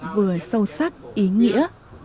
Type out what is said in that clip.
vừa sâu sắc ý nghĩa